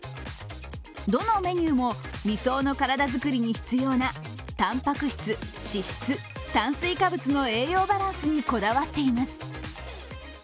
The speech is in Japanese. どのメニューも、理想の体づくりに必要なたんぱく質、脂質、炭水化物の栄養バランスにこだわっています。